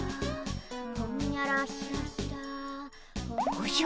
おじゃ？